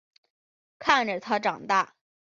看着他长大